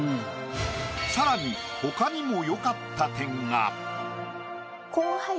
さらに他にも良かった点が。